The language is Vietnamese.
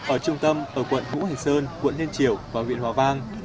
ở trung tâm ở quận hũ hành sơn quận niên triều và huyện hòa vang